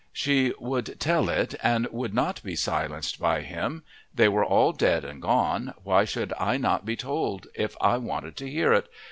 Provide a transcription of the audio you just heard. She would tell it and would not be silenced by him: they were all dead and gone why should I not be told if I wanted to hear it?